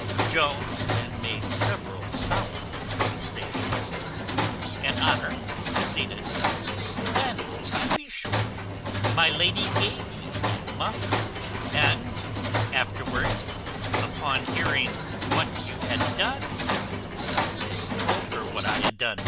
Jones then made several solemn protestations. And Honour proceeded "Then to be sure, my lady gave me that muff; and afterwards, upon hearing what you had done" "Then you told her what I had done?"